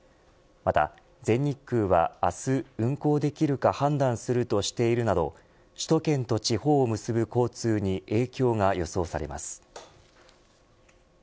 また全日空は明日運航できるか判断するとしているなど首都圏と地方を結ぶ交通に影響が予想されます。